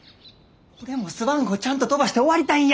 俺もスワン号ちゃんと飛ばして終わりたいんや。